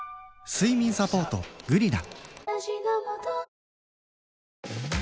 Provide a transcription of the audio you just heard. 睡眠サポート「グリナ」